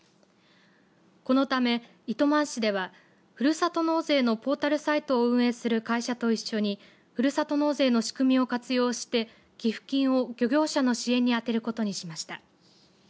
このため、糸満市ではふるさと納税のポータルサイトを運営する会社と一緒にふるさと納税の仕組みを活用して寄付金を漁業者の支援に充てることにしました。